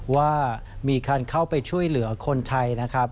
ว่ามีคันเข้าไปช่วยเหลือคนไทย